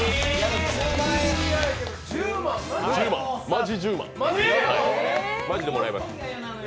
マジ１０万、マジでもらえます